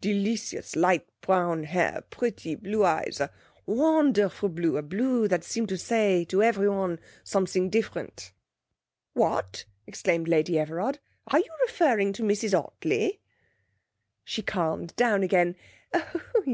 Delicious light brown hair, pretty blue eyes, a wonderful blue, a blue that seem to say to everyone something different.' 'What!' exclaimed Lady Everard. 'Are you referring to Mrs Ottley?' She calmed down again.